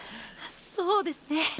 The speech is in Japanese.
そうですね。